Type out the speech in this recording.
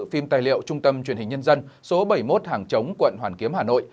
phim tài liệu trung tâm truyền hình nhân dân số bảy mươi một hàng chống quận hoàn kiếm hà nội